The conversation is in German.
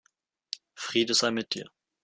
Friede sei mit dir.